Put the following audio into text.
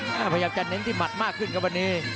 พยายามจะเน้นที่หมัดมากขึ้นครับวันนี้